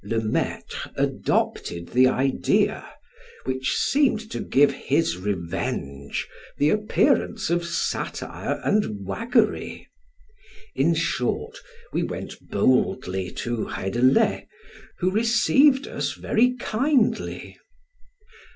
Le Maitre adopted the idea, which seemed to give his revenge the appearance of satire and waggery; in short, we went boldly to Reydelet, who received us very kindly.